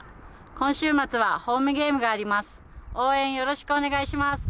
今週末はホームゲームがあります。